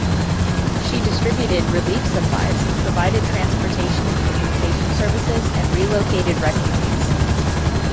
She distributed relief supplies, provided transportation and communication services and relocated refugees.